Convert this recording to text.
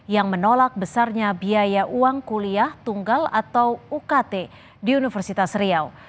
yang menolak besarnya biaya uang kuliah tunggal atau ukt di universitas riau